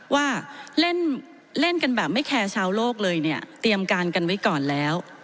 ว่าเล่นเล่นกันแบบไม่แคร์ชาวโลกเลยเนี่ยเตรียมการกันไว้ก่อนแล้ว